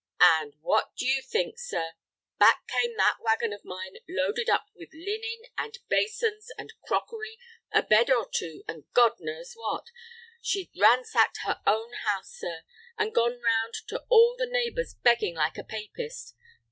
"And what d'you think, sir? Back came that wagon of mine loaded up with linen, and basins, and crockery, a bed or two, and God knows what. She'd ransacked her own house, sir, and gone round to all the neighbors begging like a papist.